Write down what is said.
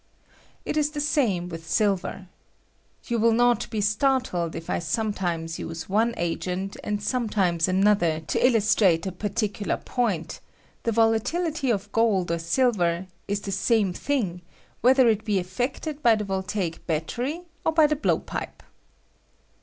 It is the same with bU ver. You will not be startled if I sometimes use one agent and sometimes another to illus trate a particular point: the volatility of gold or "silver is the same thing, whether it be ef fected by the voltaic battery or by the blow pipe.